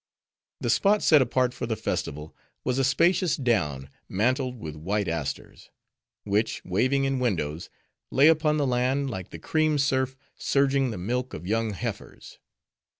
The spot set apart for the festival, was a spacious down, mantled with white asters; which, waving in windrows, lay upon the land, like the cream surf surging the milk of young heifers.